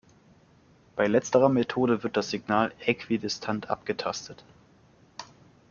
Bei letzterer Methode wird das Signal äquidistant abgetastet.